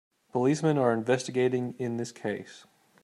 Policemen are investigating in this case.